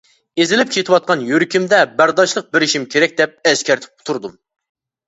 ئېزىلىپ كېتىۋاتقان يۈرىكىمدە بەرداشلىق بېرىشىم كېرەك دەپ ئەسكەرتىپ تۇردۇم.